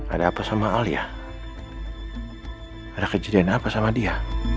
ada apa sama alia ada kejadian apa sama dia